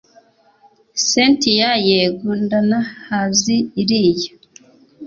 cyntia yego ndanahazi iriya